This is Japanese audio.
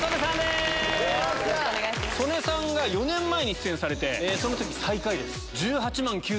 曽根さんが４年前に出演されてその時最下位です。